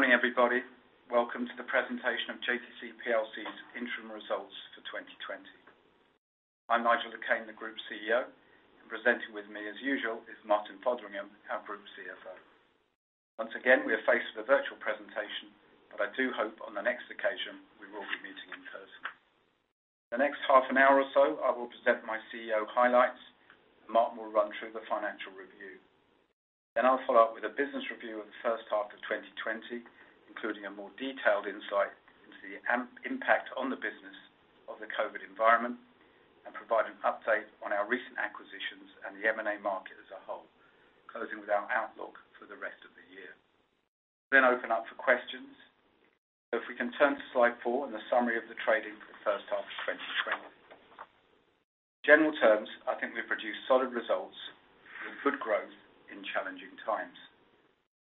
Good morning, everybody. Welcome to the presentation of JTC plc's interim results for 2020. I'm Nigel Le Quesne, the Group CEO, and presenting with me, as usual, is Martin Fotheringham, our Group CFO. Once again, we are faced with a virtual presentation, but I do hope on the next occasion, we will be meeting in person. For the next half an hour or so, I will present my CEO highlights, and Martin will run through the financial review. I'll follow up with a business review of the first half of 2020, including a more detailed insight into the impact on the business of the COVID-19 environment, and provide an update on our recent acquisitions and the M&A market as a whole, closing with our outlook for the rest of the year. We'll open up for questions. If we can turn to slide four and the summary of the trading for the first half of 2020. In general terms, I think we've produced solid results with good growth in challenging times.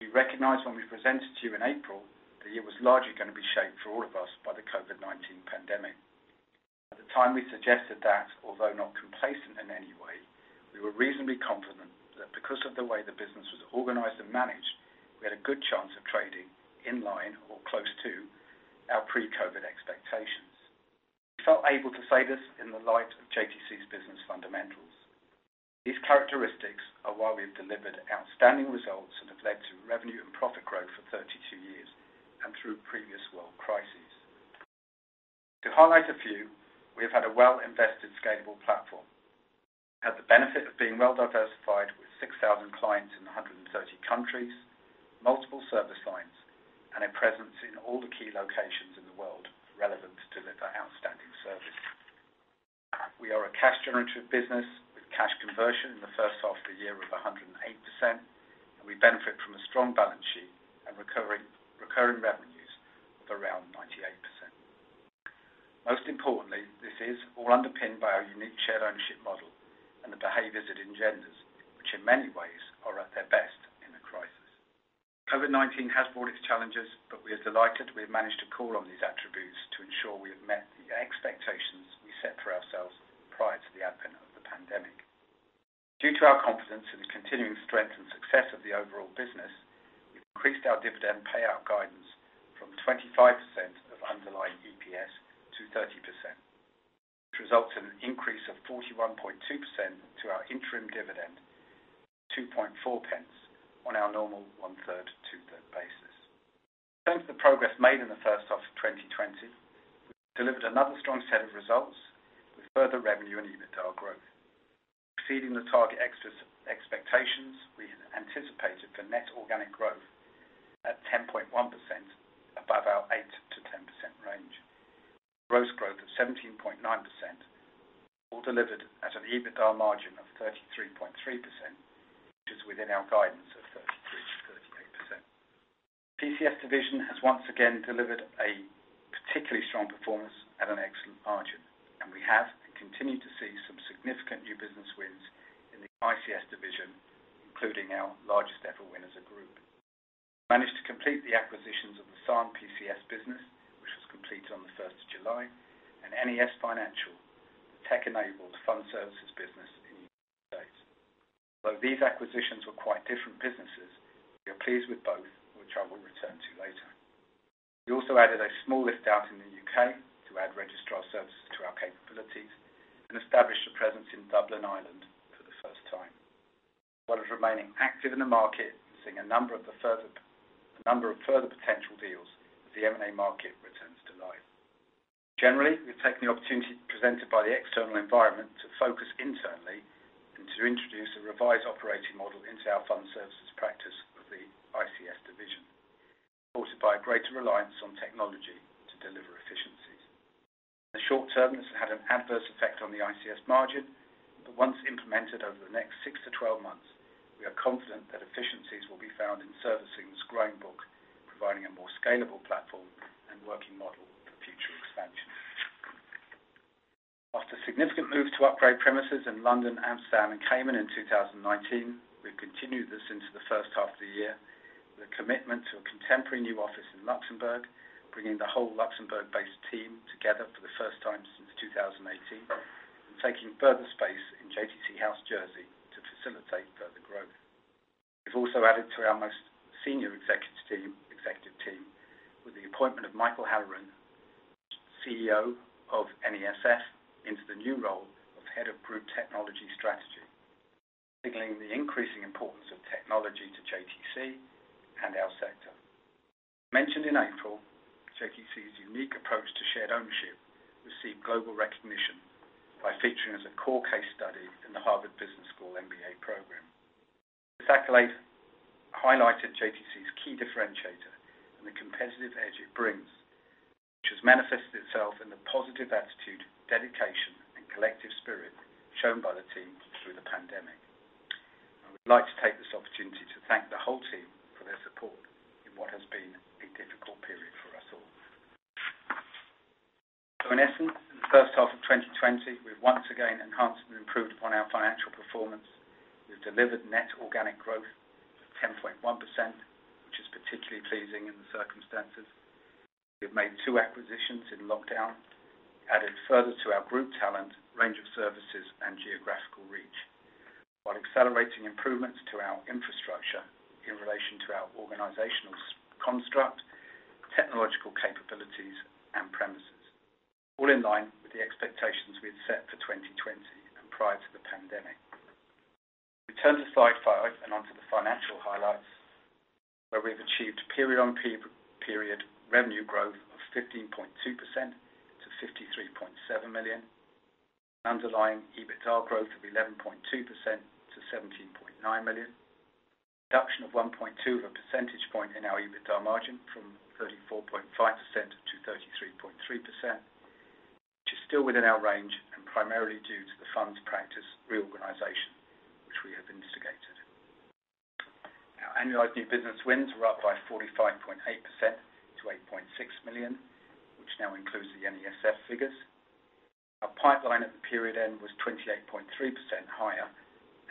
We recognized when we presented to you in April that year was largely going to be shaped for all of us by the COVID-19 pandemic. At the time, we suggested that although not complacent in any way, we were reasonably confident that because of the way the business was organized and managed, we had a good chance of trading in line or close to our pre-COVID expectations. We felt able to say this in the light of JTC's business fundamentals. These characteristics are why we've delivered outstanding results that have led to revenue and profit growth for 32 years and through previous world crises. To highlight a few, we have had a well-invested, scalable platform. We've had the benefit of being well-diversified with 6,000 clients in 130 countries, multiple service lines, and a presence in all the key locations in the world relevant to deliver outstanding service. We are a cash-generative business with cash conversion in the first half of the year of 108%. We benefit from a strong balance sheet and recurring revenues of around 98%. Most importantly, this is all underpinned by our unique shared ownership model and the behaviors it engenders, which in many ways are at their best in a crisis. COVID-19 has brought its challenges. We are delighted we have managed to call on these attributes to ensure we have met the expectations we set for ourselves prior to the advent of the pandemic. Due to our confidence in the continuing strength and success of the overall business, we increased our dividend payout guidance from 25% of underlying EPS to 30%, which results in an increase of 41.2% to our interim dividend to GBP 0.024 on our normal 1/3, 2/3 basis. In terms of the progress made in the first half of 2020, we delivered another strong set of results with further revenue and EBITDA growth. Exceeding the target expectations we had anticipated for net organic growth at 10.1% above our 8%-10% range. Gross growth of 17.9% all delivered at an EBITDA margin of 33.3%, which is within our guidance of 33%-38%. PCS division has once again delivered a particularly strong performance at an excellent margin, and we have continued to see some significant new business wins in the ICS division, including our largest-ever win as a group. We managed to complete the acquisitions of the Sanne PCS business, which was completed on the 1st of July, and NES Financial, the tech-enabled fund services business in the United States. Although these acquisitions were quite different businesses, we are pleased with both, which I will return to later. We also added a small lift-out in the U.K. to add registrar services to our capabilities and established a presence in Dublin, Ireland, for the first time, while remaining active in the market and seeing a number of further potential deals as the M&A market returns to life. Generally, we've taken the opportunity presented by the external environment to focus internally and to introduce a revised operating model into our fund services practice with the ICS division, supported by a greater reliance on technology to deliver efficiencies. In the short term, this had an adverse effect on the ICS margin, but once implemented over the next six to 12 months, we are confident that efficiencies will be found in servicing this growing book, providing a more scalable platform and working model for future expansion. After significant moves to upgrade premises in London, Amsterdam, and Cayman in 2019, we've continued this into the first half of the year with a commitment to a contemporary new office in Luxembourg, bringing the whole Luxembourg-based team together for the first time since 2018, and taking further space in JTC House, Jersey to facilitate further growth. We've also added to our most senior executive team with the appointment of Michael Halloran, CEO of NES Financial, into the new role of Head of Group Technology Strategy, signaling the increasing importance of technology to JTC and our sector. Mentioned in April, JTC's unique approach to shared ownership received global recognition by featuring as a core case study in the Harvard Business School MBA program. This accolade highlighted JTC's key differentiator and the competitive edge it brings, which has manifested itself in the positive attitude, dedication, and collective spirit shown by the team through the pandemic. I would like to take this opportunity to thank the whole team for their support in what has been a difficult period for us all. In essence, in the first half of 2020, we've once again enhanced and improved upon our financial performance. We've delivered net organic growth of 10.1%, which is particularly pleasing in the circumstances. We've made two acquisitions in lockdown, added further to our group talent, range of services, and geographical reach, while accelerating improvements to our infrastructure in relation to our organizational construct, technological capabilities, and premises. All in line with the expectations we had set for 2020 and prior to the pandemic. We turn to slide five and onto the financial highlights, where we've achieved period-on-period revenue growth of 15.2% to 53.7 million. Underlying EBITDA growth of 11.2% to 17.9 million. Reduction of 1.2 of a percentage point in our EBITDA margin from 34.5%-33.3%, which is still within our range and primarily due to the funds practice reorganization, which we have instigated. Our annualized new business wins were up by 45.8% to 8.6 million, which now includes the NES Financial figures. Our pipeline at the period end was 28.3% higher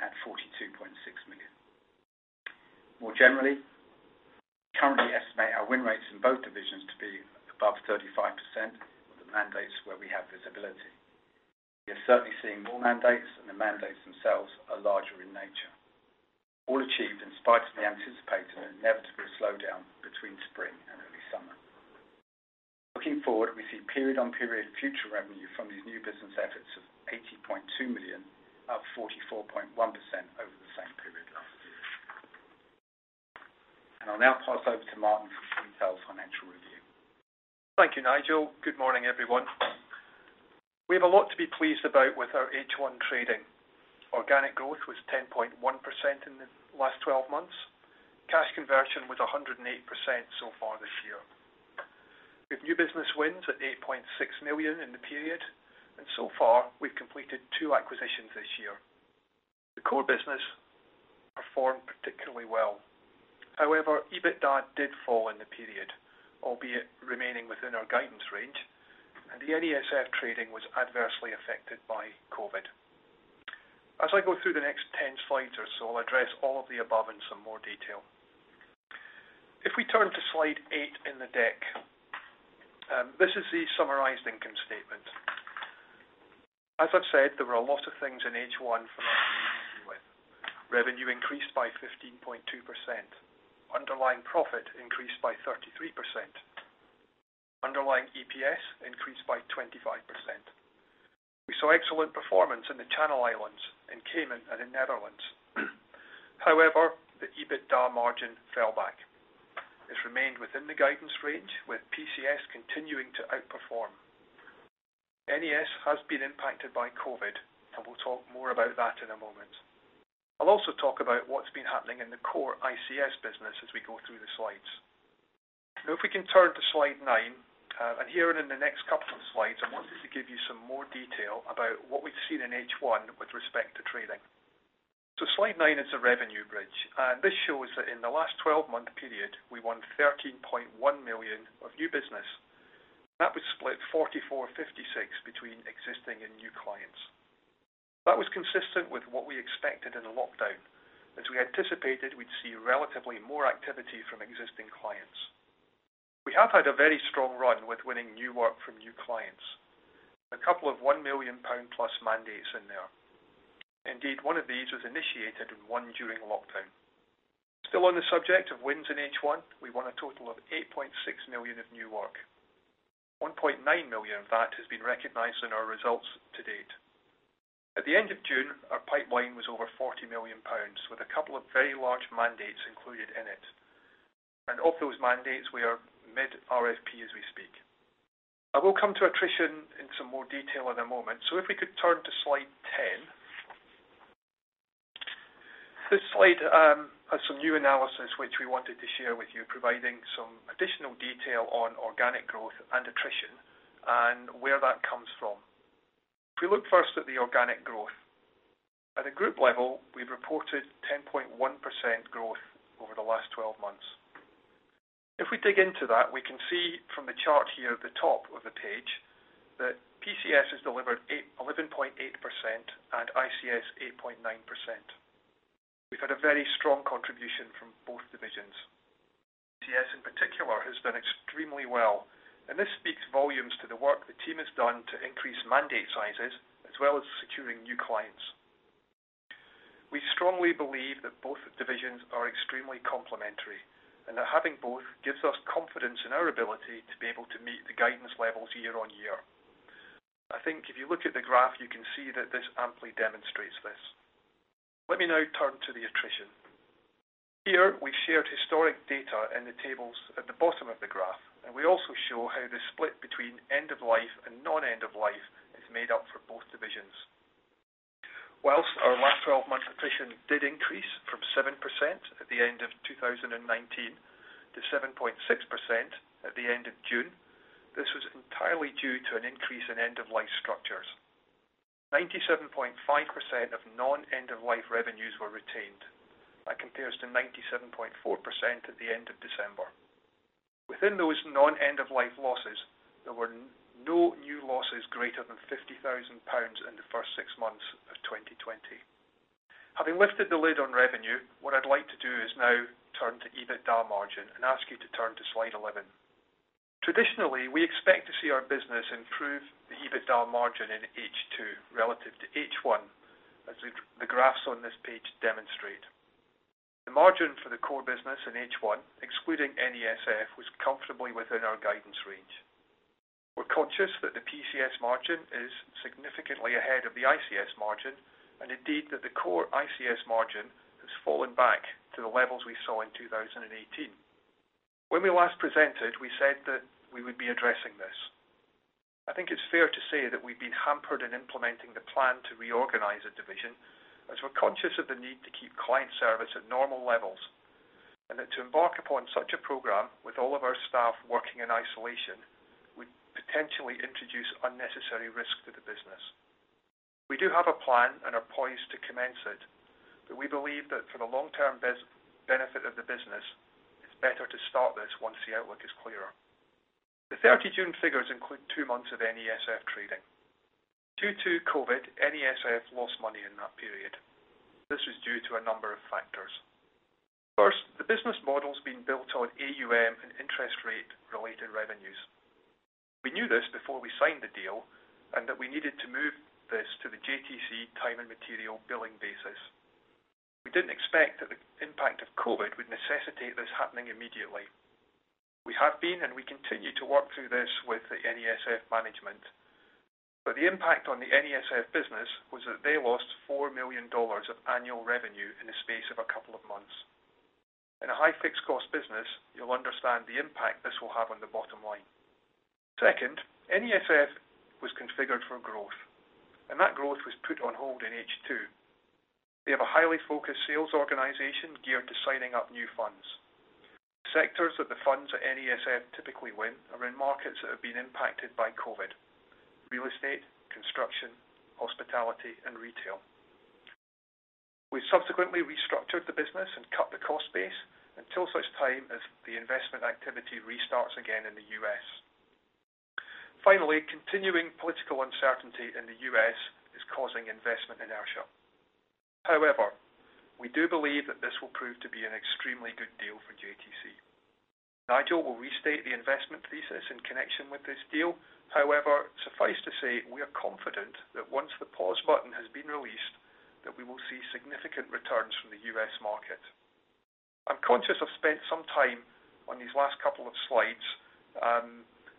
at 42.6 million. More generally, we currently estimate our win rates in both divisions to be above 35% of the mandates where we have visibility. We are certainly seeing more mandates, and the mandates themselves are larger in nature. All achieved in spite of the anticipated and inevitable slowdown between spring and early summer. Looking forward, we see period-on-period future revenue from these new business efforts of 18.2 million, up 44.1% over the same period last year. I'll now pass over to Martin for some detailed financial review. Thank you, Nigel. Good morning, everyone. We have a lot to be pleased about with our H1 trading. Organic growth was 10.1% in the last 12 months. Cash conversion was 108% so far this year. We have new business wins at 8.6 million in the period. So far, we've completed two acquisitions this year. The core business performed particularly well. However, EBITDA margin did fall in the period, albeit remaining within our guidance range. The NES Financial trading was adversely affected by COVID-19. As I go through the next 10 slides or so, I'll address all of the above in some more detail. If we turn to slide eight in the deck. This is the summarized income statement. As I've said, there were a lot of things in H1 for us to be pleased with. Revenue increased by 15.2%. Underlying profit increased by 33%. Underlying EPS increased by 25%. We saw excellent performance in the Channel Islands, in Cayman, and in Netherlands. The EBITDA margin fell back. This remained within the guidance range, with PCS continuing to outperform. NES has been impacted by COVID. We'll talk more about that in a moment. I'll also talk about what's been happening in the core ICS business as we go through the slides. If we can turn to slide nine. Here and in the next couple of slides, I wanted to give you some more detail about what we've seen in H1 with respect to trading. Slide nine is a revenue bridge. This shows that in the last 12-month period, we won 13.1 million of new business. That was split 44/56 between existing and new clients. That was consistent with what we expected in the lockdown, as we anticipated we'd see relatively more activity from existing clients. We have had a very strong run with winning new work from new clients. Two of 1 million pound-plus mandates in there. Indeed, one of these was initiated and won during lockdown. Still on the subject of wins in H1, we won a total of 8.6 million of new work. 1.9 million of that has been recognized in our results to date. At the end of June, our pipeline was over 40 million pounds, with two very large mandates included in it. Of those mandates, we are mid RFP as we speak. I will come to attrition in some more detail in a moment. If we could turn to slide 10. This slide has some new analysis which we wanted to share with you, providing some additional detail on organic growth and attrition and where that comes from. If we look first at the organic growth. At the group level, we've reported 10.1% growth over the last 12 months. If we dig into that, we can see from the chart here at the top of the page that PCS has delivered 11.8% and ICS 8.9%. We've had a very strong contribution from both divisions. PCS in particular has done extremely well, and this speaks volumes to the work the team has done to increase mandate sizes as well as securing new clients. We strongly believe that both divisions are extremely complementary, and that having both gives us confidence in our ability to be able to meet the guidance levels year on year. I think if you look at the graph, you can see that this amply demonstrates this. Let me now turn to the attrition. Here, we've shared historic data in the tables at the bottom of the graph, and we also show how the split between end of life and non-end of life is made up for both divisions. Whilst our last 12-month attrition did increase from 7% at the end of 2019 to 7.6% at the end of June, this was entirely due to an increase in end-of-life structures. 97.5% of non-end-of-life revenues were retained. That compares to 97.4% at the end of December. Within those non-end-of-life losses, there were no new losses greater than 50,000 pounds in the first six months of 2020. Having lifted the lid on revenue, what I'd like to do is now to EBITDA margin and ask you to turn to slide 11. Traditionally, we expect to see our business improve the EBITDA margin in H2 relative to H1, as the graphs on this page demonstrate. The margin for the core business in H1, excluding NES Financial, was comfortably within our guidance range. We're conscious that the PCS margin is significantly ahead of the ICS margin, and indeed, that the core ICS margin has fallen back to the levels we saw in 2018. When we last presented, we said that we would be addressing this. I think it's fair to say that we've been hampered in implementing the plan to reorganize the division, as we're conscious of the need to keep client service at normal levels, and that to embark upon such a program with all of our staff working in isolation would potentially introduce unnecessary risk to the business. We do have a plan and are poised to commence it, but we believe that for the long-term benefit of the business, it's better to start this once the outlook is clearer. The 30 June figures include two months of NES Financial trading. Due to COVID, NES Financial lost money in that period. This was due to a number of factors. First, the business model has been built on AUM and interest rate related revenues. We knew this before we signed the deal, and that we needed to move this to the JTC time and material billing basis. We didn't expect that the impact of COVID would necessitate this happening immediately. We have been, and we continue to work through this with the NES Financial management. The impact on the NES Financial business was that they lost $4 million of annual revenue in the space of a couple of months. In a high fixed cost business, you'll understand the impact this will have on the bottom line. Second, NES Financial was configured for growth, and that growth was put on hold in H2. They have a highly focused sales organization geared to signing up new funds. The sectors that the funds at NES Financial typically win are in markets that have been impacted by COVID, real estate, construction, hospitality, and retail. We subsequently restructured the business and cut the cost base until such time as the investment activity restarts again in the U.S. Finally, continuing political uncertainty in the U.S. is causing investment inertia. We do believe that this will prove to be an extremely good deal for JTC. Nigel will restate the investment thesis in connection with this deal. However, suffice to say, we are confident that once the pause button has been released, that we will see significant returns from the U.S. market. I'm conscious I've spent some time on these last couple of slides,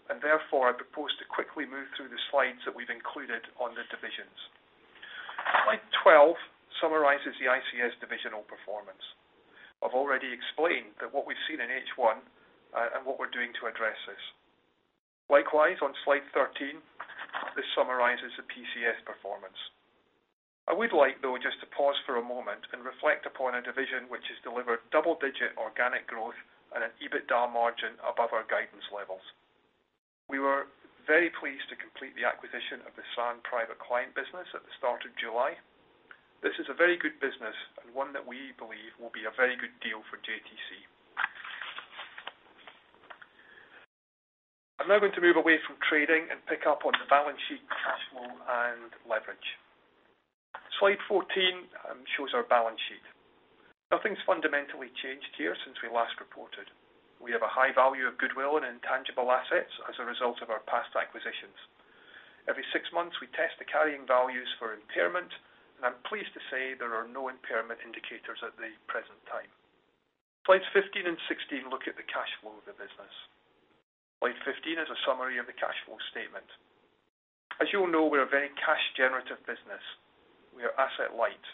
and therefore, I propose to quickly move through the slides that we've included on the divisions. Slide 12 summarizes the ICS divisional performance. I've already explained that what we've seen in H1 and what we're doing to address this. Likewise, on slide 13, this summarizes the PCS performance. I would like, though, just to pause for a moment and reflect upon a division which has delivered double-digit organic growth and an EBITDA margin above our guidance levels. We were very pleased to complete the acquisition of the Sanne private client business at the start of July. This is a very good business and one that we believe will be a very good deal for JTC. I'm now going to move away from trading and pick up on the balance sheet cash flow and leverage. Slide 14 shows our balance sheet. Nothing's fundamentally changed here since we last reported. We have a high value of goodwill and intangible assets as a result of our past acquisitions. Every six months, we test the carrying values for impairment, and I'm pleased to say there are no impairment indicators at the present time. Slides 15 and 16 look at the cash flow of the business. Slide 15 is a summary of the cash flow statement. As you all know, we are a very cash generative business. We are asset light.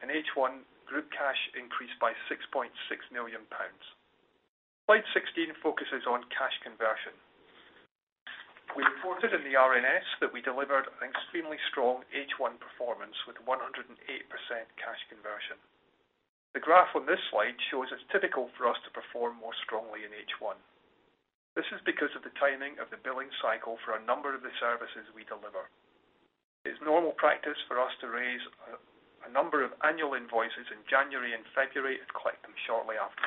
In H1, group cash increased by 6.6 million pounds. Slide 16 focuses on cash conversion. We reported in the RNS that we delivered an extremely strong H1 performance with 108% cash conversion. The graph on this slide shows it's typical for us to perform more strongly in H1. This is because of the timing of the billing cycle for a number of the services we deliver. It's normal practice for us to raise a number of annual invoices in January and February and collect them shortly after.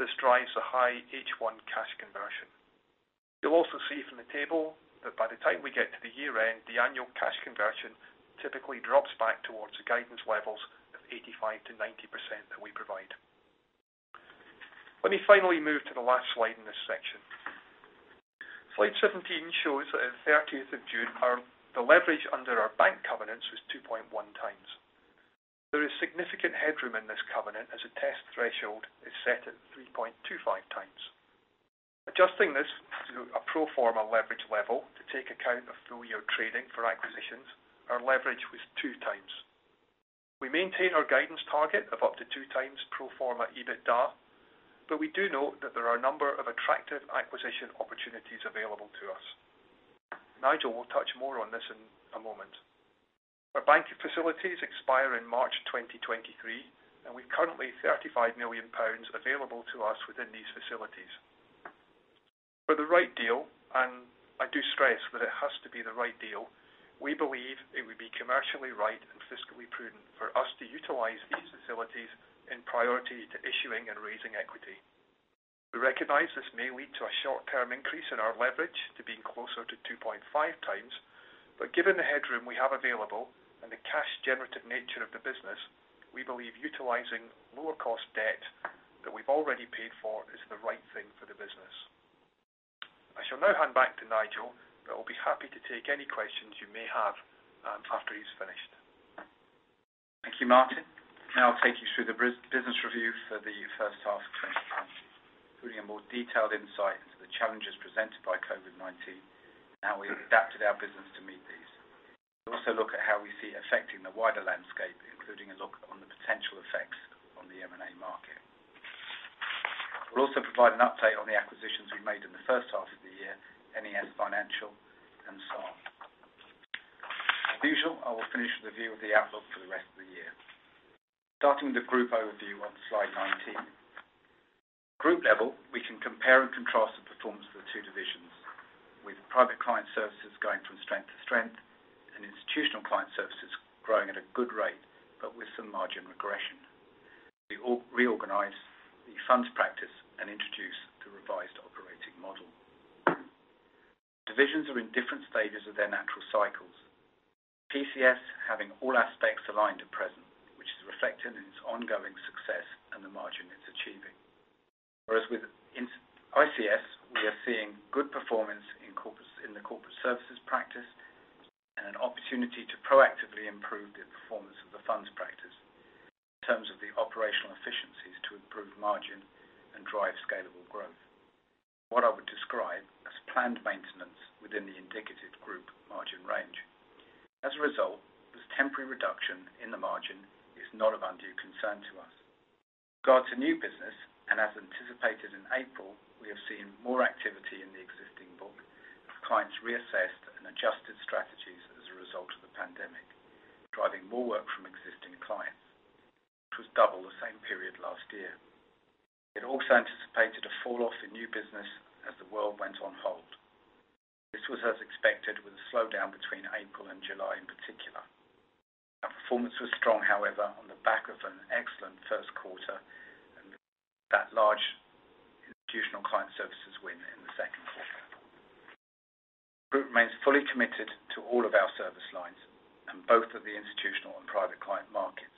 This drives the high H1 cash conversion. You'll also see from the table that by the time we get to the year-end, the annual cash conversion typically drops back towards the guidance levels of 85%-90% that we provide. Let me finally move to the last slide in this section. Slide 17 shows that at 30th of June, the leverage under our bank covenants was 2.1x. There is significant headroom in this covenant as the test threshold is set at 3.25x. Adjusting this through a pro forma leverage level to take account of full-year trading for acquisitions, our leverage was 2x. We maintain our guidance target of up to 2x pro forma EBITDA. We do note that there are a number of attractive acquisition opportunities available to us. Nigel will touch more on this in a moment. Our banking facilities expire in March 2023. We've currently 35 million pounds available to us within these facilities. For the right deal, and I do stress that it has to be the right deal, we believe it would be commercially right and fiscally prudent for us to utilize these facilities in priority to issuing and raising equity. We recognize this may lead to a short-term increase in our leverage to being closer to 2.5x. Given the headroom we have available and the cash generative nature of the business, we believe utilizing lower cost debt that we've already paid for is the right thing for the business. I shall now hand back to Nigel, but I'll be happy to take any questions you may have after he's finished. Thank you, Martin. I'll take you through the business review for the first half of 2020, including a more detailed insight into the challenges presented by COVID-19 and how we adapted our business to meet these. We'll also look at how we see it affecting the wider landscape, including a look on the potential effects on the M&A market. We'll also provide an update on the acquisitions we made in the first half of the year, NES Financial and Sanne. As usual, I will finish with a view of the outlook for the rest of the year. Starting with the group overview on slide 19. At group level, we can compare and contrast the performance of the two divisions, with Private Client Services going from strength to strength and Institutional Client Services growing at a good rate, but with some margin regression. We reorganized the funds practice and introduced the revised operating model. Divisions are in different stages of their natural cycles. PCS having all aspects aligned at present, which is reflected in its ongoing success and the margin it's achieving. Whereas with ICS, we are seeing good performance in the corporate services practice and an opportunity to proactively improve the performance of the funds practice in terms of the operational efficiencies to improve margin and drive scalable growth. What I would describe as planned maintenance within the indicative group margin range. As a result, this temporary reduction in the margin is not of undue concern to us. With regards to new business, as anticipated in April, we have seen more activity in the existing book as clients reassessed and adjusted strategies as a result of the pandemic, driving more work from existing clients, which was double the same period last year. We had also anticipated a fall-off in new business as the world went on hold. This was as expected with a slowdown between April and July in particular. Our performance was strong, however, on the back of an excellent first quarter and with that large Institutional Client Services win in the second quarter. The group remains fully committed to all of our service lines in both of the institutional and private client markets,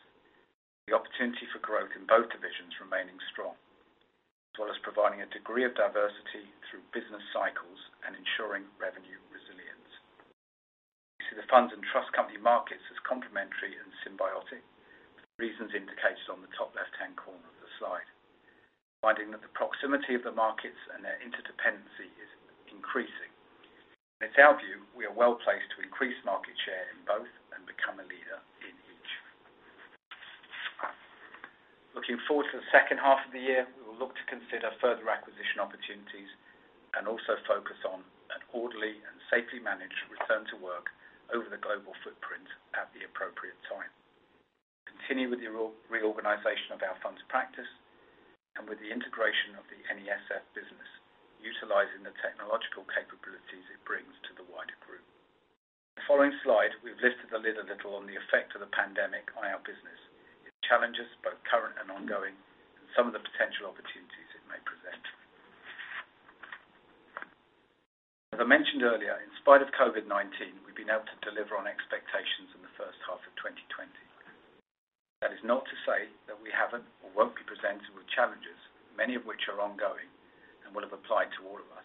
with the opportunity for growth in both divisions remaining strong, as well as providing a degree of diversity through business cycles and ensuring revenue resilience. We see the funds and trust company markets as complementary and symbiotic for the reasons indicated on the top left-hand corner of the slide. We're finding that the proximity of the markets and their interdependency is increasing. In our view, we are well-placed to increase market share in both and become a leader in each. Looking forward to the second half of the year, we will look to consider further acquisition opportunities and also focus on an orderly and safely managed return to work over the global footprint at the appropriate time. Continue with the reorganization of our funds practice and with the integration of the NES Financial business, utilizing the technological capabilities it brings to the wider group. On the following slide, we've lifted the lid a little on the effect of the pandemic on our business, its challenges, both current and ongoing, and some of the potential opportunities it may present. As I mentioned earlier, in spite of COVID-19, we've been able to deliver on expectations in the first half of 2020. That is not to say that we haven't or won't be presented with challenges, many of which are ongoing and will have applied to all of us.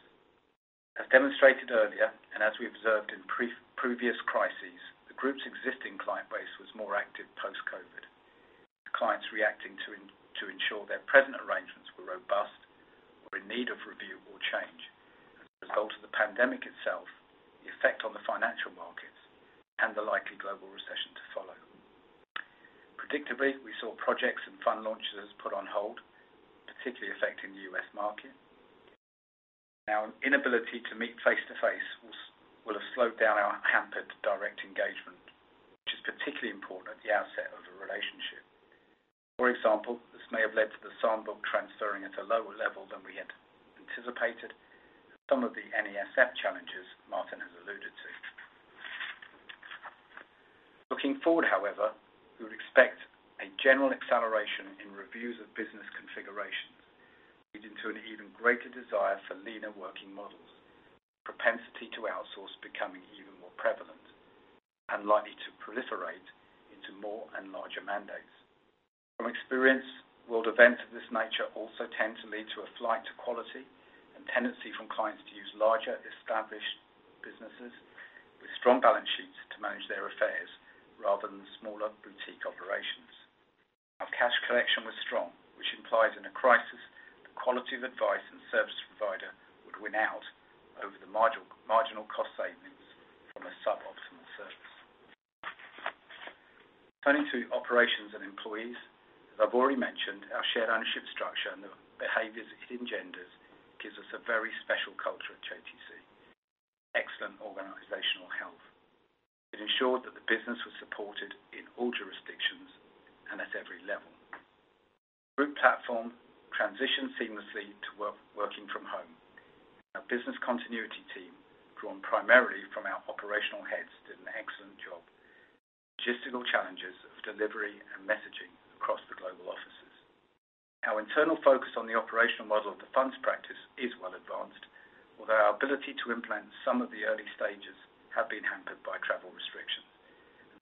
As demonstrated earlier, and as we observed in previous crises, the group's existing client base was more active post-COVID. With clients reacting to ensure their present arrangements were robust or in need of review or change as a result of the pandemic itself, the effect on the financial markets, and the likely global recession to follow. Predictably, we saw projects and fund launches put on hold, particularly affecting the U.S. market. Our inability to meet face-to-face will have slowed down or hampered direct engagement, which is particularly important at the outset of a relationship. For example, this may have led to the Sanne book transferring at a lower level than we had anticipated and some of the NES Financial challenges Martin has alluded to. Looking forward, however, we would expect a general acceleration in reviews of business configurations, leading to an even greater desire for leaner working models, with a propensity to outsource becoming even more prevalent and likely to proliferate into more and larger mandates. From experience, world events of this nature also tend to lead to a flight to quality and tendency from clients to use larger, established businesses with strong balance sheets to manage their affairs rather than smaller boutique operations. Our cash collection was strong, which implies in a crisis, the quality of advice and service provider would win out over the marginal cost savings from a suboptimal service. Turning to operations and employees. As I've already mentioned, our shared ownership structure and the behaviors it engenders gives us a very special culture at JTC. Excellent organizational health. It ensured that the business was supported in all jurisdictions and at every level. The group platform transitioned seamlessly to working from home, with our business continuity team, drawn primarily from delivery and messaging across the global offices. Our internal focus on the operational model of the funds practice is well advanced, although our ability to implement some of the early stages have been hampered by travel restrictions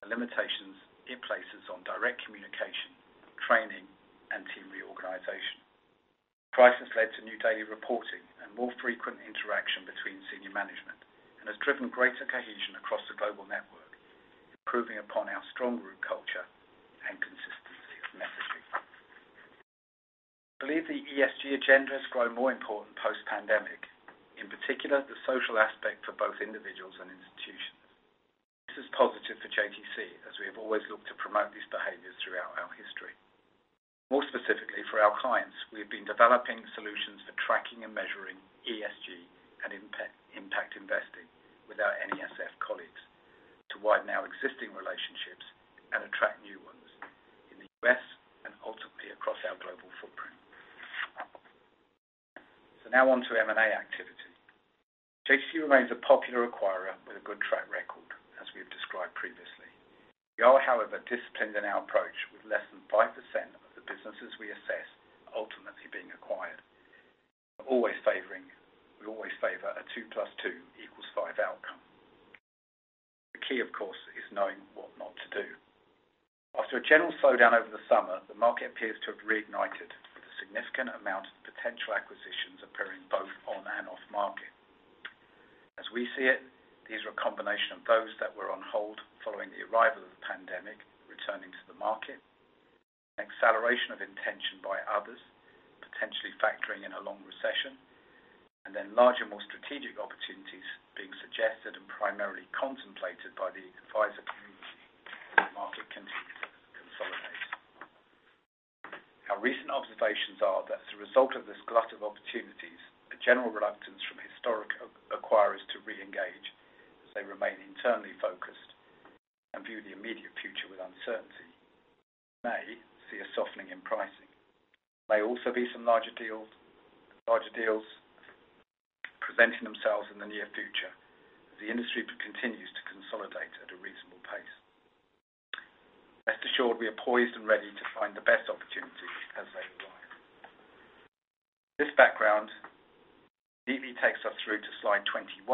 and the limitations it places on direct communication, training, and team reorganization. The crisis led to new daily reporting and more frequent interaction between senior management and has driven greater cohesion across the global network, improving upon our strong group culture and consistency of messaging. I believe the ESG agenda has grown more important post-pandemic, in particular, the social aspect for both individuals and institutions. This is positive for JTC as we have always looked to promote these behaviors throughout our history. More specifically for our clients, we have been developing solutions for tracking and measuring ESG and impact investing with our NES Financial colleagues to widen our existing relationships and attract new ones in the U.S. and ultimately across our global footprint. Now on to M&A activity. JTC remains a popular acquirer with a good track record, as we have described previously. We are, however, disciplined in our approach with less than 5% of the businesses we assess ultimately being acquired. We always favor a two plus two equals five outcome. The key, of course, is knowing what not to do. After a general slowdown over the summer, the market appears to have reignited with a significant amount of potential acquisitions appearing both on and off market. As we see it, these are a combination of those that were on hold following the arrival of the pandemic returning to the market, an acceleration of intention by others, potentially factoring in a long recession, and then larger, more strategic opportunities being suggested and primarily contemplated by the advisor community as the market continues to consolidate. Our recent observations are that as a result of this glut of opportunities, a general reluctance from historic acquirers to reengage as they remain internally focused and view the immediate future with uncertainty. We may see a softening in pricing. There may also be some larger deals presenting themselves in the near future as the industry continues to consolidate at a reasonable pace. Rest assured, we are poised and ready to find the best opportunities as they arrive. This background neatly takes us through to slide 21,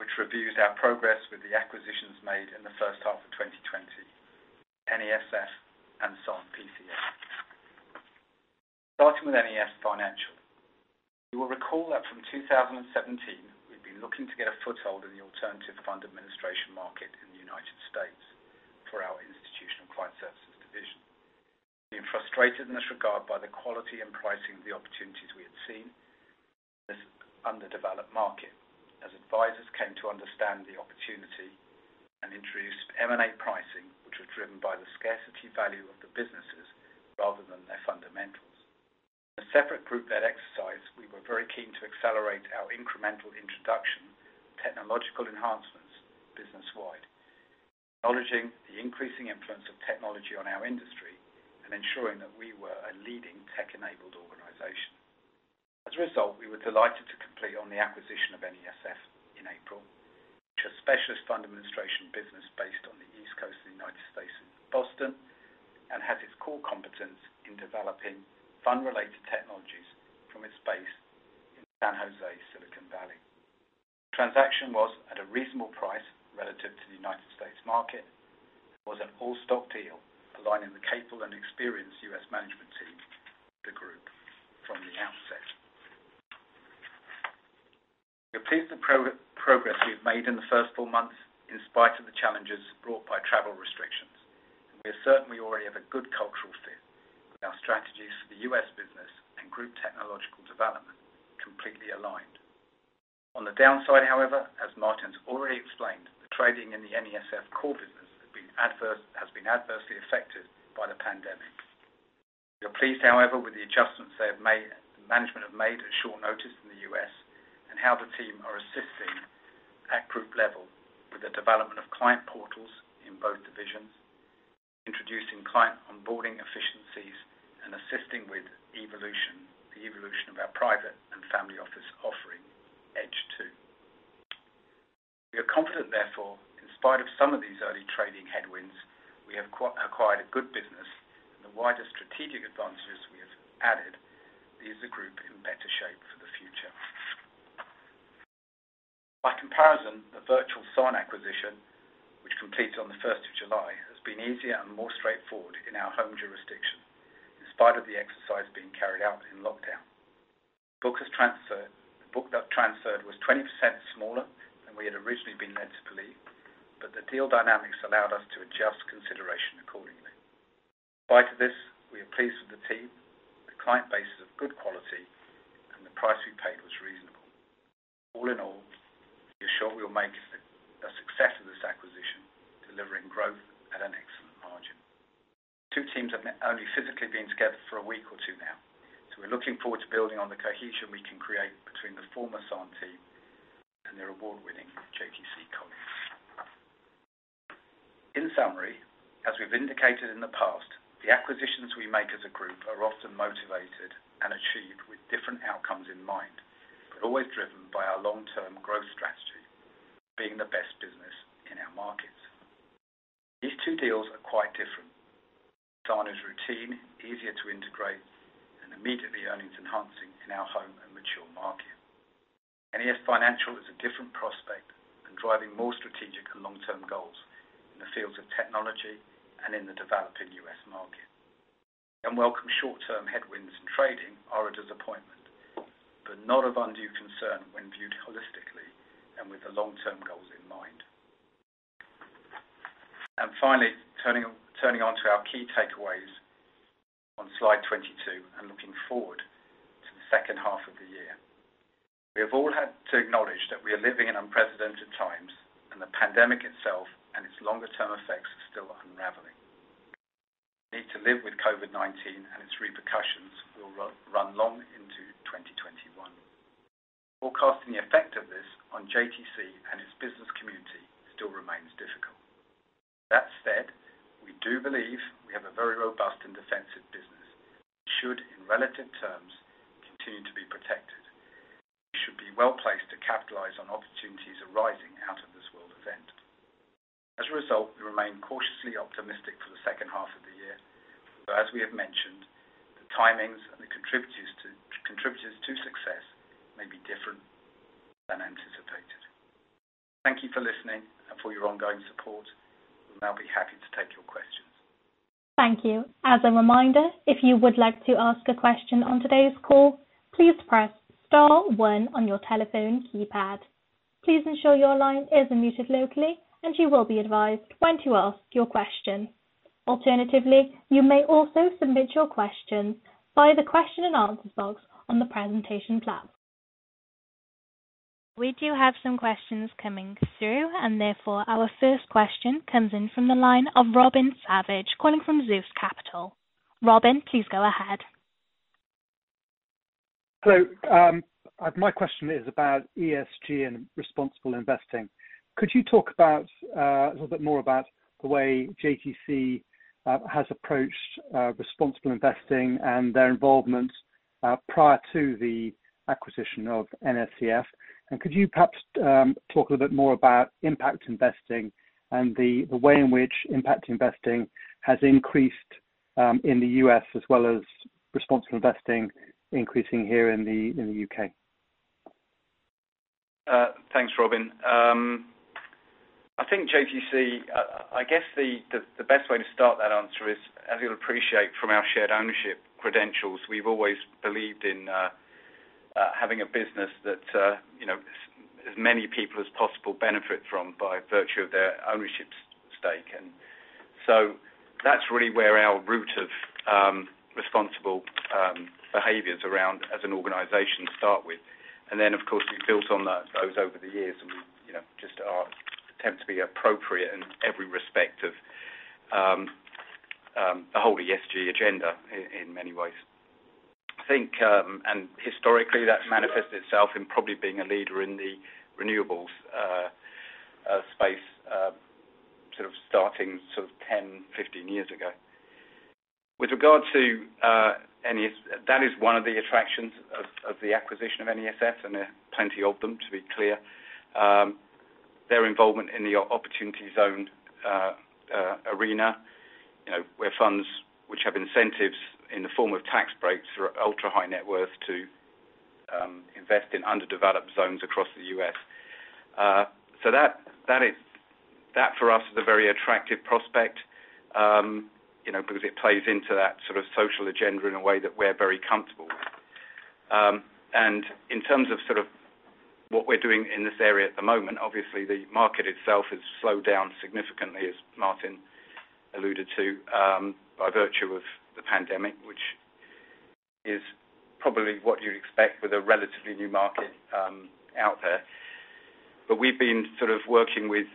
which reviews our progress with the acquisitions made in the first half of 2020, NES Financial and Sanne PCS. Starting with NES Financial. You will recall that from 2017, we've been looking to get a foothold in the alternative fund administration market in the U.S. for our Institutional Client Services division. Being frustrated in this regard by the quality and pricing of the opportunities we had seen in this underdeveloped market as advisors came to understand the opportunity and introduced M&A pricing, which was driven by the scarcity value of the businesses rather than their fundamentals. In a separate group led exercise, we were very keen to accelerate our incremental introduction of technological enhancements business-wide, acknowledging the increasing influence of technology on our industry and ensuring that we were a leading tech-enabled organization. As a result, we were delighted to complete on the acquisition of NES Financial in April, which is a specialist fund administration business based on the East Coast of the United States in Boston, and has its core competence in developing fund-related technologies from its base in San Jose, Silicon Valley. The transaction was at a reasonable price relative to the United States market and was an all-stock deal aligning the capable and experienced U.S. management team with the group from the outset. We are pleased with the progress we've made in the first four months, in spite of the challenges brought by travel restrictions. We are certain we already have a good cultural fit with our strategies for the U.S. business and group technological development completely aligned. On the downside, however, as Martin's already explained, the trading in the NES Financial core business has been adversely affected by the pandemic. We are pleased, however, with the adjustments the management have made at short notice in the U.S. and how the team are assisting at group level with the development of client portals in both divisions, introducing client onboarding efficiencies, and assisting with the evolution of our private and family office offering, Edge2. We are confident, therefore, in spite of some of these early trading headwinds, we have acquired a good business and the wider strategic advantages we have added leaves the group in better shape for the future. By comparison, the virtual Sanne acquisition, which completed on the 1st of July, has been easier and more straightforward in our home jurisdiction, in spite of the exercise being carried out in lockdown. The book that transferred was 20% smaller than we had originally been led to believe, but the deal dynamics allowed us to adjust consideration accordingly. In spite of this, we are pleased with the team, the client base is of good quality, and the price we paid was reasonable. All in all, we are sure we will make a success of this acquisition, delivering growth at an excellent margin. The two teams have only physically been together for a week or two now, so we're looking forward to building on the cohesion we can create between the former Sanne team and their award-winning JTC colleagues. In summary, as we've indicated in the past, the acquisitions we make as a group are Always driven by our long-term growth strategy, being the best business in our markets. These two deals are quite different. Sanne is routine, easier to integrate, and immediately earnings enhancing in our home and mature market. NES Financial is a different prospect driving more strategic and long-term goals in the fields of technology and in the developing U.S. market. Welcome short-term headwinds in trading are a disappointment, but not of undue concern when viewed holistically and with the long-term goals in mind. Finally, turning onto our key takeaways on slide 22 and looking forward to the second half of the year. We have all had to acknowledge that we are living in unprecedented times, the pandemic itself and its longer-term effects are still unraveling. Need to live with COVID-19 and its repercussions will run long into 2021. Forecasting the effect of this on JTC and its business community still remains difficult. That said, we do believe we have a very robust and defensive business that should, in relative terms, continue to be protected. We should be well-placed to capitalize on opportunities arising out of this world event. As a result, we remain cautiously optimistic for the second half of the year. As we have mentioned, the timings and the contributors to success may be different than anticipated. Thank you for listening and for your ongoing support. We'll now be happy to take your questions. Thank you. As a reminder, if you would like to ask a question on today's call, please press star one on your telephone keypad. Please ensure your line is unmuted locally and you will be advised when to ask your question. Alternatively, you may also submit your questions via the question and answer box on the presentation platform. We do have some questions coming through, and therefore our first question comes in from the line of Robin Savage, calling from Zeus Capital. Robin, please go ahead. My question is about ESG and responsible investing. Could you talk a little bit more about the way JTC has approached responsible investing and their involvement prior to the acquisition of NES Financial? Could you perhaps talk a little bit more about impact investing and the way in which impact investing has increased in the U.S. as well as responsible investing increasing here in the U.K.? Thanks, Robin. I think JTC, I guess the best way to start that answer is, as you'll appreciate from our shared ownership credentials, we've always believed in having a business that as many people as possible benefit from by virtue of their ownership stake. That's really where our root of responsible behaviors around as an organization start with. Of course, we've built on those over the years, and we just attempt to be appropriate in every respect of the whole ESG agenda in many ways. I think, historically, that's manifested itself in probably being a leader in the renewables space, sort of starting 10, 15 years ago. That is one of the attractions of the acquisition of NES Financial, and there are plenty of them, to be clear. Their involvement in the Opportunity Zone arena where funds which have incentives in the form of tax breaks for ultra-high net worth to invest in underdeveloped zones across the U.S. That for us is a very attractive prospect because it plays into that sort of social agenda in a way that we're very comfortable with. In terms of sort of what we're doing in this area at the moment, obviously the market itself has slowed down significantly, as Martin alluded to, by virtue of the pandemic, which is probably what you'd expect with a relatively new market out there. We've been sort of working with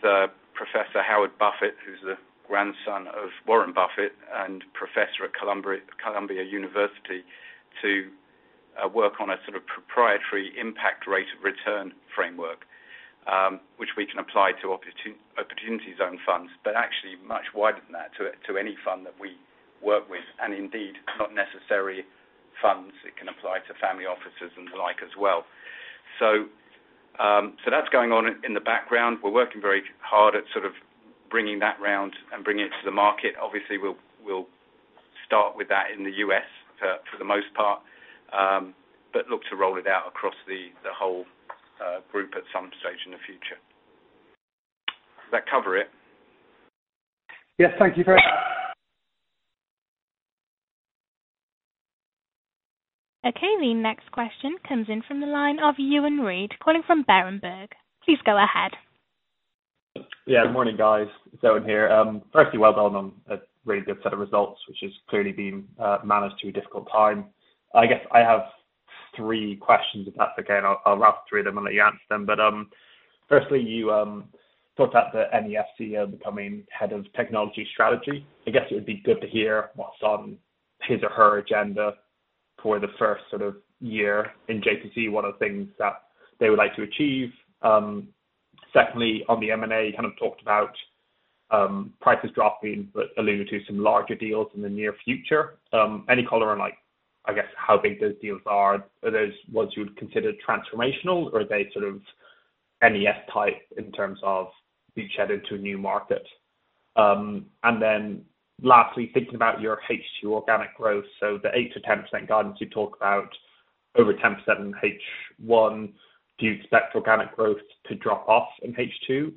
Professor Howard Buffett, who's the grandson of Warren Buffett and professor at Columbia University, to work on a sort of proprietary impact rate of return framework, which we can apply to opportunity zone funds, but actually much wider than that to any fund that we work with, and indeed, not necessary funds. It can apply to family offices and the like as well. That's going on in the background. We're working very hard at sort of bringing that round and bringing it to the market. Obviously, we'll start with that in the U.S. for the most part, but look to roll it out across the whole group at some stage in the future. Does that cover it? Yes. Okay. The next question comes in from the line of Ewan Reid, calling from Berenberg. Please go ahead. Yeah. Good morning, guys. It's Ewan here. Firstly, well done on a really good set of results, which has clearly been managed through a difficult time. I guess I have three questions, if that's okay, I'll rattle through them and let you answer them. Firstly, you brought up the NES Financial becoming head of technology strategy. I guess it would be good to hear what's on his or her agenda for the first sort of year in JTC. What are the things that they would like to achieve? Secondly, on the M&A, you kind of talked about price dropping, alluded to some larger deals in the near future. Any color on, I guess, how big those deals are? Are those ones you would consider transformational, are they sort of NES type in terms of beachhead into a new market? Lastly, thinking about your H2 organic growth, the 8%-10% guidance you talk about over 10% in H1. Do you expect organic growth to drop off in H2?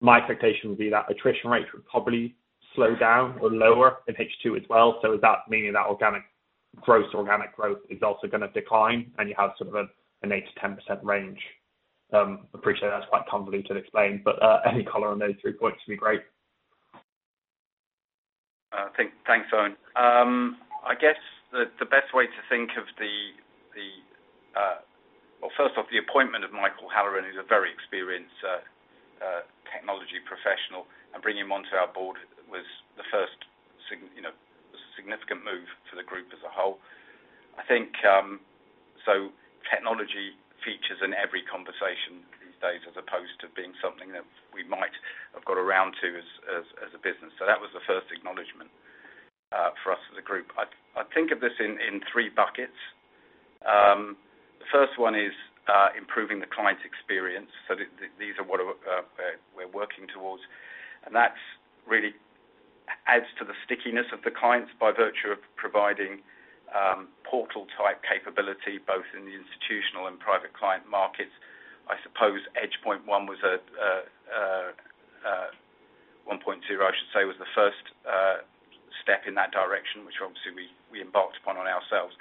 My expectation would be that attrition rates would probably slow down or lower in H2 as well. Is that meaning that organic growth is also going to decline, and you have sort of an 8%-10% range? Appreciate that's quite convoluted explained, any color on those three points would be great. Thanks, Ewan. I guess the best way to think of first off, the appointment of Michael Halloran, who's a very experienced technology professional, and bringing him onto our board was the first significant move for the group as a whole. I think technology features in every conversation these days, as opposed to being something that we might have got around to as a business. That was the first acknowledgment for us as a group. I think of this in three buckets. The first one is improving the client experience. These are what we're working towards, that really adds to the stickiness of the clients by virtue of providing portal-type capability both in the institutional and private client markets. I suppose Edge 1.2, I should say, was the first step in that direction, which obviously we embarked upon on ourselves.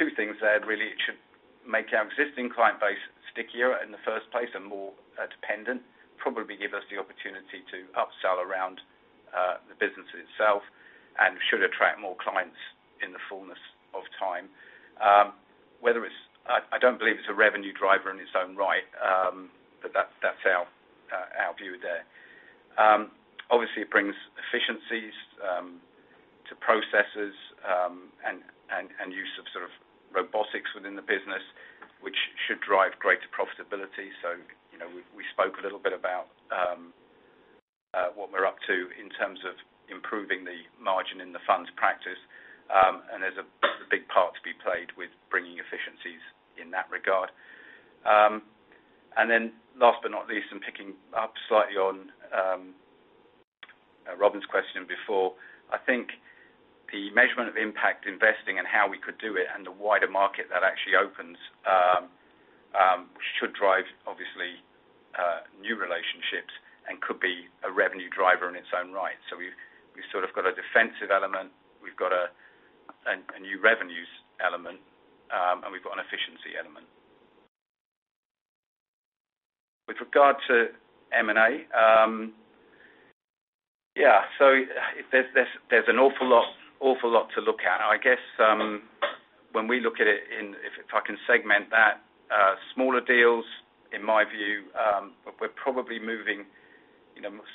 Two things there really. It should make our existing client base stickier in the first place and more dependent, probably give us the opportunity to upsell around the business itself, and should attract more clients in the fullness of time. I don't believe it's a revenue driver in its own right, but that's our view there. Obviously, it brings efficiencies to processes and use of sort of robotics within the business, which should drive greater profitability. We spoke a little bit about what we're up to in terms of improving the margin in the funds practice, and there's a big part to be played with bringing efficiencies in that regard. Last but not least, and picking up slightly on Robin's question before, I think the measurement of impact investing and how we could do it and the wider market that actually opens should drive, obviously, new relationships and could be a revenue driver in its own right. We've sort of got a defensive element, we've got a new revenues element, and we've got an efficiency element. With regard to M&A, yeah. There's an awful lot to look at. I guess when we look at it in, if I can segment that, smaller deals, in my view, we're probably moving.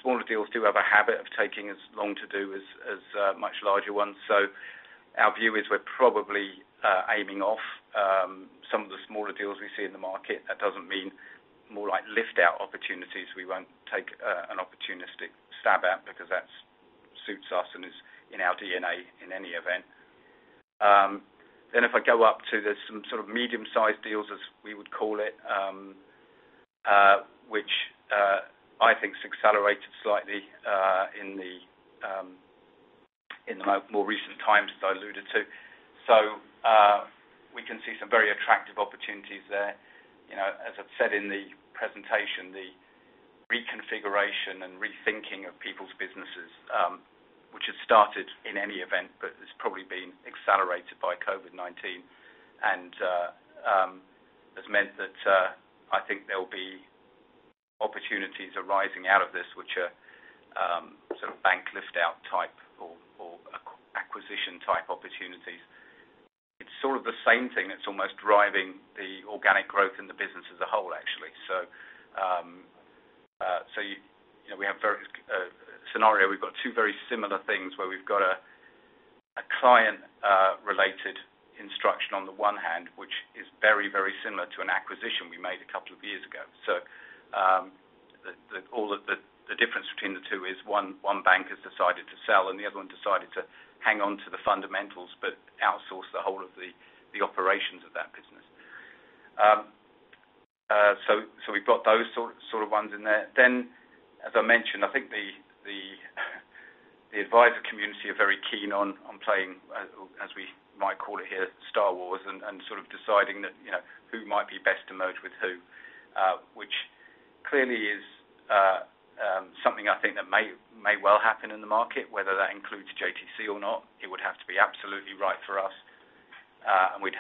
Smaller deals do have a habit of taking as long to do as much larger ones. Our view is we're probably aiming off some of the smaller deals we see in the market. That doesn't mean more like lift-out opportunities we won't take an opportunistic stab at because that suits us and is in our DNA in any event. If I go up to the some sort of medium-sized deals, as we would call it, which I think's accelerated slightly in the more recent times, as I alluded to. We can see some very attractive opportunities there. As I've said in the presentation, the reconfiguration and rethinking of people's businesses, which had started in any event, but it's probably been accelerated by COVID-19. Has meant that I think there'll be opportunities arising out of this, which are sort of bank lift-out type or acquisition type opportunities. It's sort of the same thing that's almost driving the organic growth in the business as a whole, actually. We have a scenario. We've got two very similar things where we've got a client-related instruction on the one hand, which is very, very similar to an acquisition we made a couple of years ago. All of the difference between the two is one bank has decided to sell and the other one decided to hang on to the fundamentals but outsource the whole of the operations of that business. We've got those sort of ones in there. As I mentioned, I think the advisor community are very keen on playing, as we might call it here, Star Wars and sort of deciding that who might be best to merge with who, which clearly is something I think that may well happen in the market. Whether that includes JTC or not, it would have to be absolutely right for us. We'd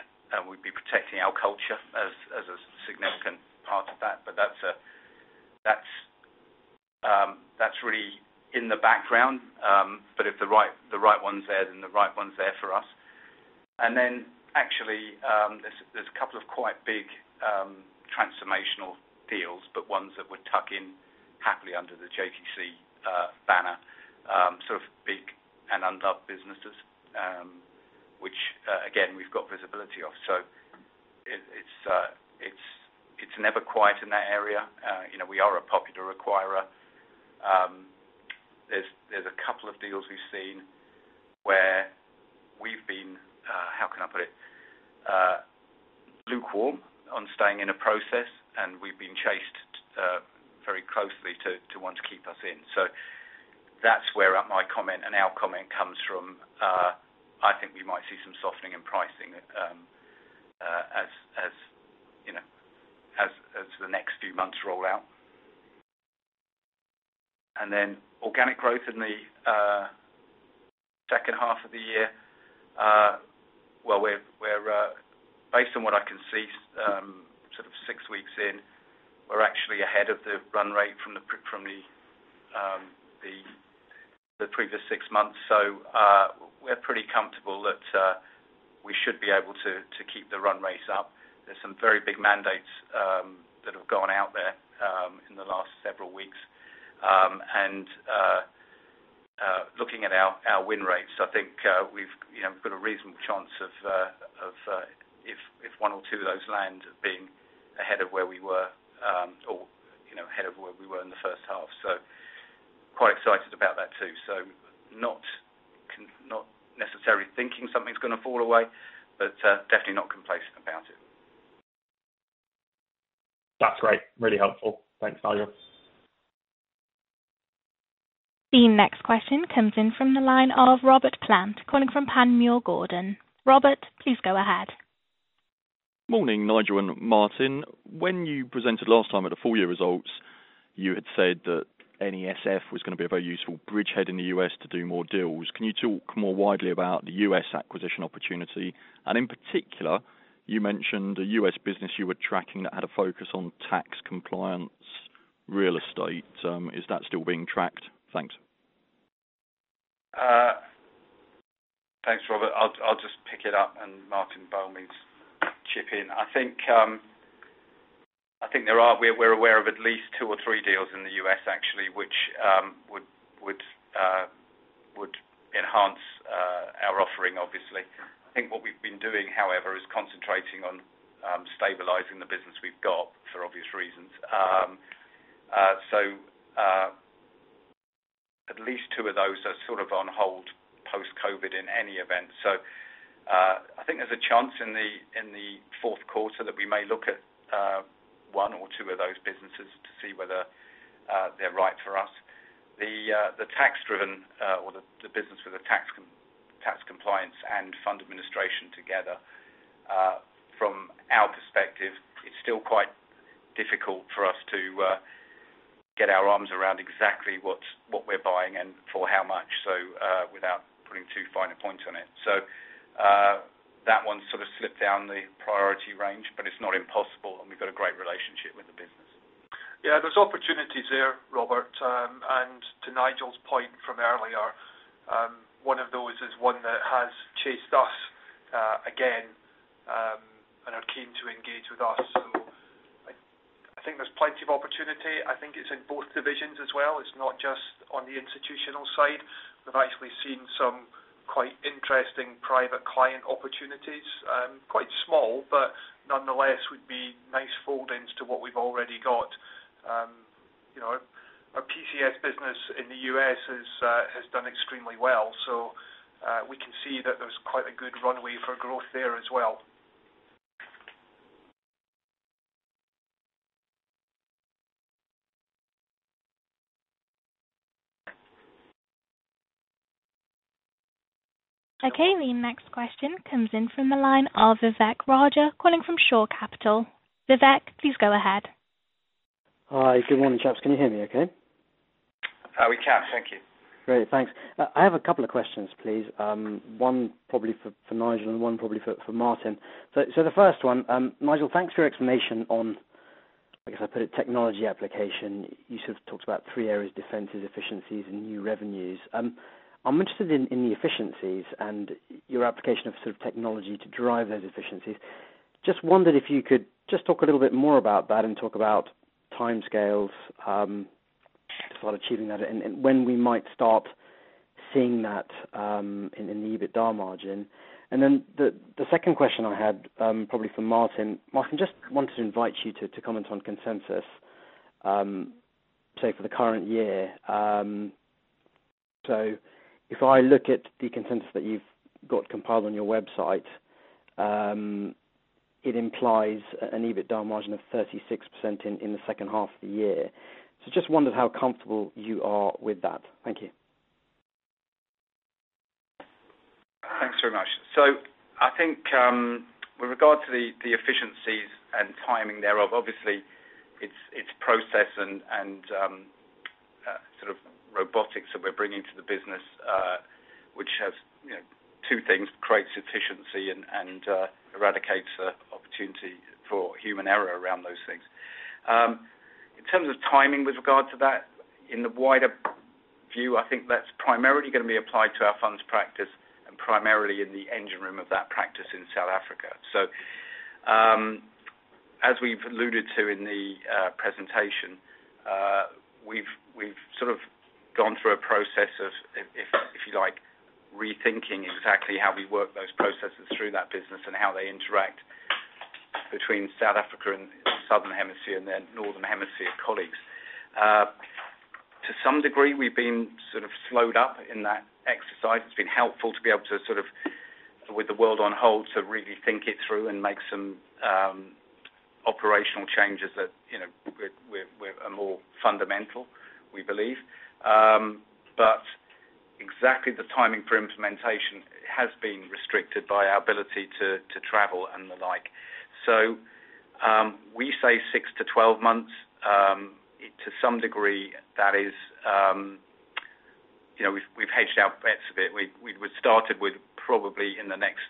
be protecting our culture as a significant part of that. That's really in the background. If the right one's there, then the right one's there for us. Actually, there's a couple of quite big transformational deals, but ones that would tuck in happily under the JTC. It's never quiet in that area. We are a popular acquirer. There's a couple of deals we've seen where we've been, how can I put it, lukewarm on staying in a process, and we've been chased very closely to want to keep us in. That's where my comment and our comment comes from. I think we might see some softening in pricing as the next few months roll out. Organic growth in the second half of the year. Based on what I can see, 6 weeks in, we're actually ahead of the run rate from the previous 6 months. We're pretty comfortable that we should be able to keep the run rates up. There's some very big mandates that have gone out there in the last several weeks. Looking at our win rates, I think we've got a reasonable chance if one or two of those land being ahead of where we were in the first half. Quite excited about that too. Not necessarily thinking something's going to fall away, but definitely not complacent about it. That's great. Really helpful. Thanks, Nigel. The next question comes in from the line of Robert Plant, calling from Panmure Gordon. Robert, please go ahead. Morning, Nigel and Martin. When you presented last time at the full year results, you had said that NES Financial was going to be a very useful bridgehead in the U.S. to do more deals. Can you talk more widely about the U.S. acquisition opportunity? In particular, you mentioned a U.S. business you were tracking that had a focus on tax compliance real estate. Is that still being tracked? Thanks. Thanks, Robert. I'll just pick it up and Martin Fotheringham chip in. I think we're aware of at least two or three deals in the U.S. actually, which would enhance our offering, obviously. I think what we've been doing, however, is concentrating on stabilizing the business we've got for obvious reasons. At least two of those are sort of on hold post-COVID-19 in any event. I think there's a chance in the fourth quarter that we may look at one or two of those businesses to see whether they're right for us. The business with the tax compliance and fund administration together, from our perspective, it's still quite difficult for us to get our arms around exactly what we're buying and for how much, without putting too fine a point on it. That one sort of slipped down the priority range, but it's not impossible and we've got a great relationship with the business. Yeah, there's opportunities there, Robert. To Nigel's point from earlier, one of those is one that has chased us again, and are keen to engage with us. I think there's plenty of opportunity. I think it's in both divisions as well. It's not just on the institutional side. We've actually seen some quite interesting private client opportunities. Quite small, but nonetheless would be nice fold-ins to what we've already got. Our PCS business in the U.S. has done extremely well. We can see that there's quite a good runway for growth there as well. Okay. The next question comes in from the line of Vivek Raja, calling from Shore Capital. Vivek, please go ahead. Hi. Good morning, chaps. Can you hear me okay? We can. Thank you. Great. Thanks. I have a couple of questions, please. One probably for Nigel and one probably for Martin. The first one, Nigel, thanks for your explanation on, I guess I'd put it, technology application. You sort of talked about three areas, defenses, efficiencies, and new revenues. I'm interested in the efficiencies and your application of sort of technology to drive those efficiencies. Just wondered if you could just talk a little bit more about that and talk about timescales, sort of achieving that and when we might start seeing that in the EBITDA margin. The second question I had, probably for Martin. Martin, just wanted to invite you to comment on consensus, say for the current year. If I look at the consensus that you've got compiled on your website, it implies an EBITDA margin of 36% in the second half of the year. Just wondered how comfortable you are with that. Thank you. Thanks very much. I think with regard to the efficiencies and timing thereof, obviously it's process and sort of robotics that we're bringing to the business, which has two things, creates efficiency and eradicates the opportunity for human error around those things. In terms of timing with regard to that, in the wider view, I think that's primarily going to be applied to our funds practice and primarily in the engine room of that practice in South Africa. As we've alluded to in the presentation, we've sort of gone through a process of rethinking exactly how we work those processes through that business and how they interact between South Africa and the Southern Hemisphere and their Northern Hemisphere colleagues. To some degree, we've been sort of slowed up in that exercise. It's been helpful to be able to sort of, with the world on hold, to really think it through and make some operational changes that are more fundamental, we believe. Exactly the timing for implementation has been restricted by our ability to travel and the like. We say six to 12 months. To some degree, we've hedged our bets a bit. We started with probably in the next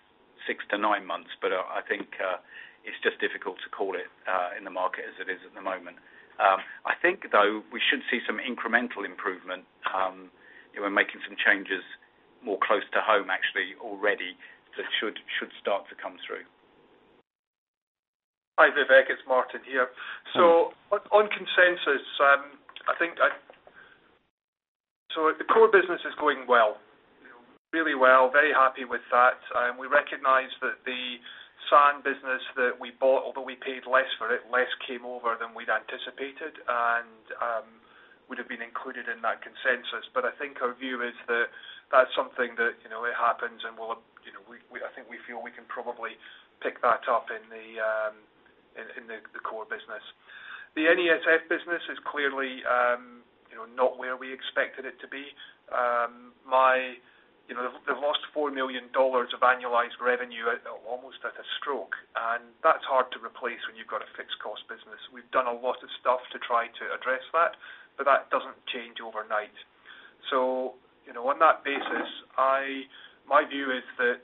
six to nine months, I think it's just difficult to call it in the market as it is at the moment. I think, though, we should see some incremental improvement. We're making some changes more close to home actually already, that should start to come through. Hi, Vivek, it's Martin here. On consensus, the core business is going well, really well. Very happy with that. We recognize that the Sanne business that we bought, although we paid less for it, less came over than we'd anticipated and would have been included in that consensus. I think our view is that that's something that it happens, and I think we feel we can probably pick that up in the core business. The NES Financial business is clearly not where we expected it to be. They've lost $4 million of annualized revenue almost at a stroke, and that's hard to replace when you've got a fixed cost business. We've done a lot of stuff to try to address that, but that doesn't change overnight. On that basis, my view is that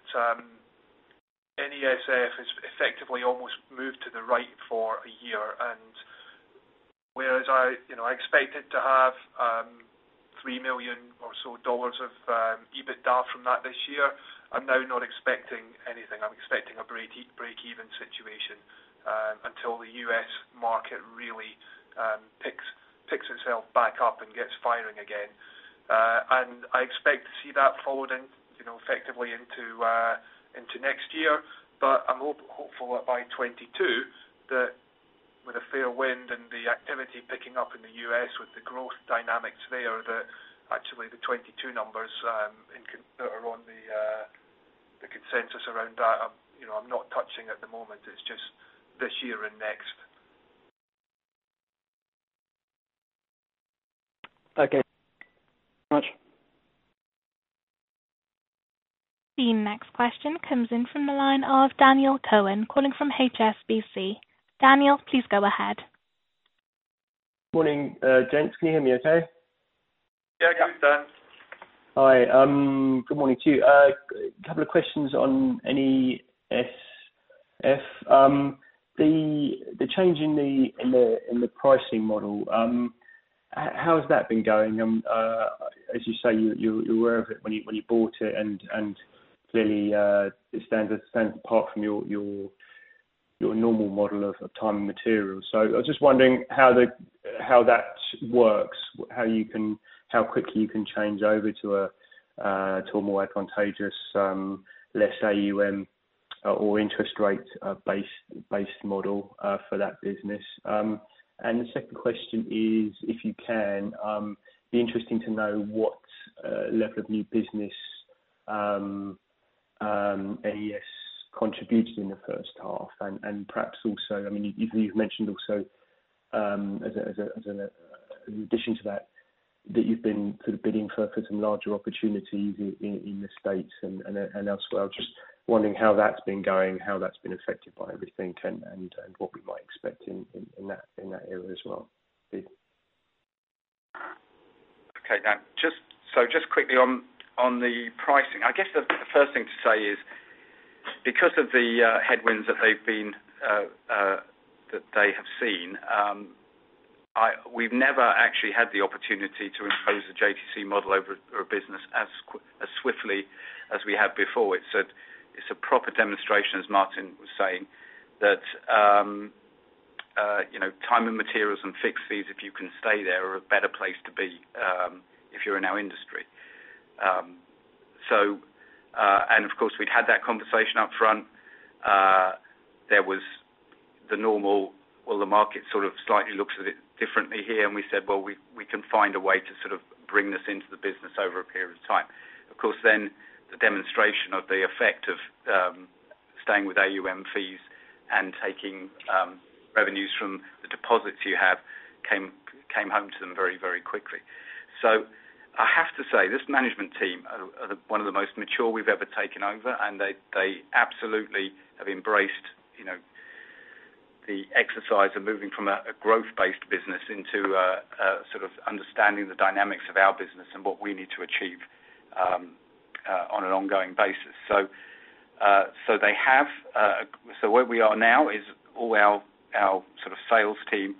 NES Financial has effectively almost moved to the right for a year, and whereas I expected to have $3 million or so of EBITDA from that this year, I'm now not expecting anything. I'm expecting a breakeven situation until the U.S. market really picks itself back up and gets firing again. I expect to see that forwarding effectively into next year. I'm hopeful that by 2022, that with a fair wind and the activity picking up in the U.S. with the growth dynamics there, that actually the 2022 numbers that are on the consensus around that, I'm not touching at the moment. It's just this year and next. Okay. Thank you very much. The next question comes in from the line of Daniel Cowan calling from HSBC. Daniel, please go ahead. Morning, gents. Can you hear me okay? Yeah. Good, Daniel. Hi, good morning to you. A couple of questions on NES Financial. The change in the pricing model, how has that been going? As you say, you were aware of it when you bought it, clearly, it stands apart from your normal model of time and materials. I was just wondering how that works, how quickly you can change over to a more advantageous, less AUM or interest rate-based model for that business. The second question is, if you can, it would be interesting to know what level of new business NES Financial contributed in the first half, perhaps also, you've mentioned also as an addition to that you've been sort of bidding for some larger opportunities in the States and elsewhere. I was just wondering how that's been going, how that's been affected by everything, and what we might expect in that area as well. Daniel, just quickly on the pricing. I guess the first thing to say is because of the headwinds that they have seen, we've never actually had the opportunity to impose a JTC model over a business as swiftly as we have before. It's a proper demonstration, as Martin was saying, that time and materials and fixed fees, if you can stay there, are a better place to be if you're in our industry. Of course, we'd had that conversation up front. There was the normal, well, the market sort of slightly looks at it differently here, we said, well, we can find a way to sort of bring this into the business over a period of time. Of course, the demonstration of the effect of staying with AUM fees and taking revenues from the deposits you have came home to them very quickly. I have to say, this management team are one of the most mature we've ever taken over, and they absolutely have embraced the exercise of moving from a growth-based business into sort of understanding the dynamics of our business and what we need to achieve on an ongoing basis. Where we are now is all our sort of sales team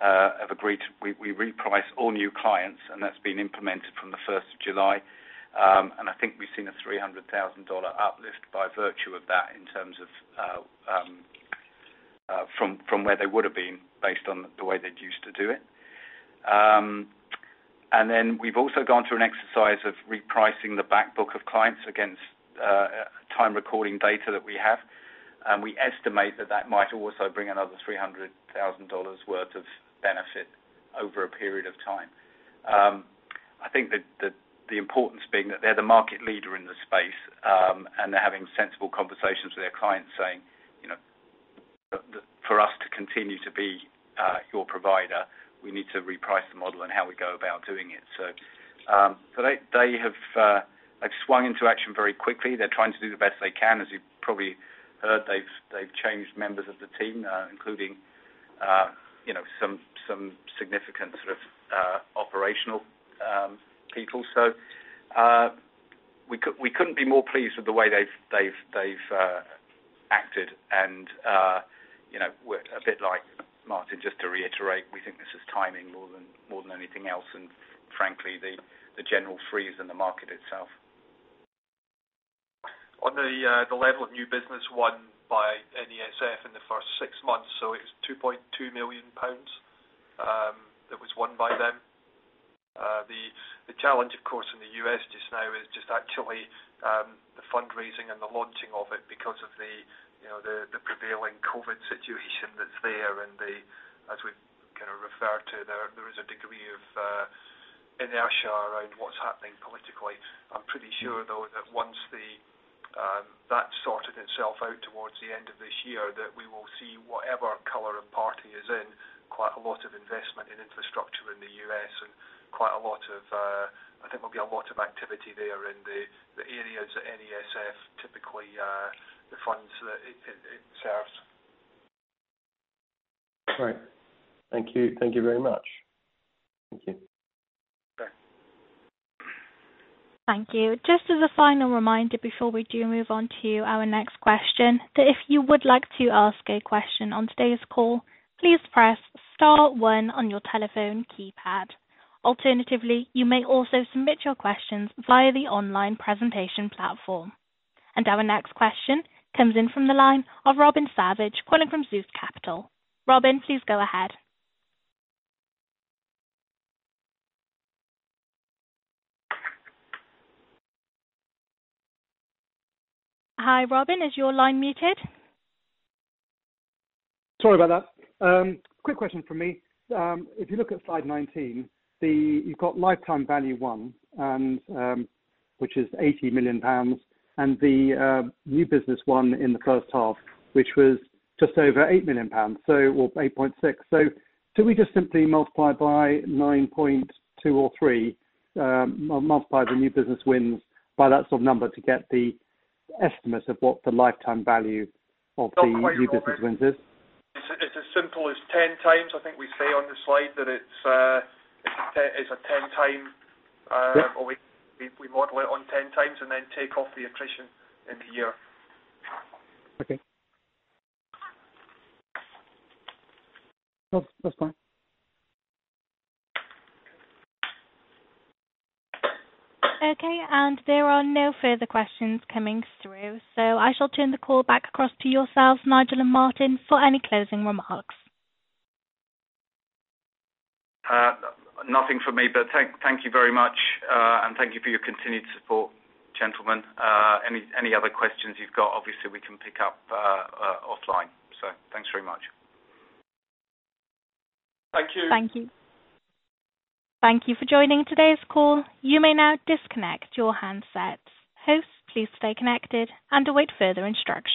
have agreed, we reprice all new clients, and that's been implemented from the 1st of July. I think we've seen a $300,000 uplift by virtue of that in terms of from where they would have been based on the way they'd used to do it. Then we've also gone through an exercise of repricing the back book of clients against time recording data that we have. We estimate that that might also bring another $300,000 worth of benefit over a period of time. I think the importance being that they're the market leader in this space, and they're having sensible conversations with their clients saying, "For us to continue to be your provider, we need to reprice the model and how we go about doing it." They have swung into action very quickly. They're trying to do the best they can. As you probably heard, they've changed members of the team, including some significant sort of operational people. We couldn't be more pleased with the way they've acted and a bit like Martin, just to reiterate, we think this is timing more than anything else, and frankly, the general freeze in the market itself. On the level of new business won by NES Financial in the first six months, so it was 2.2 million pounds that was won by them. The challenge, of course, in the U.S. just now is just actually the fundraising and the launching of it because of the prevailing COVID-19 situation that's there and as we've kind of referred to, there is a degree of inertia around what's happening politically. I'm pretty sure, though, that once that sorted itself out towards the end of this year, that we will see whatever color of party is in quite a lot of investment in infrastructure in the U.S. and I think there'll be a lot of activity there in the areas that NES Financial typically, the funds that it serves. Great. Thank you. Thank you very much. Thank you. Okay. Thank you. Just as a final reminder before we do move on to our next question, that if you would like to ask a question on today's call, please press star one on your telephone keypad. Alternatively, you may also submit your questions via the online presentation platform. Our next question comes in from the line of Robin Savage calling from Zeus Capital. Robin, please go ahead. Hi, Robin. Is your line muted? Sorry about that. Quick question from me. If you look at slide 19, you've got lifetime value won, which is 80 million pounds, and the new business won in the first half, which was just over 8.5 million pounds, or 8.6 million. Do we just simply multiply by 9.2x or 9.3x, multiply the new business wins by that sort of number to get the estimates of what the lifetime value of the new business wins is? It's as simple as 10x. Yeah. We model it on 10x and then take off the attrition in the year. Okay. That's fine. Okay. There are no further questions coming through. I shall turn the call back across to yourselves, Nigel and Martin, for any closing remarks. Nothing from me, but thank you very much, and thank you for your continued support, gentlemen. Any other questions you've got, obviously, we can pick up offline. Thanks very much. Thank you. Thank you. Thank you for joining today's call. You may now disconnect your handsets. Hosts, please stay connected and await further instruction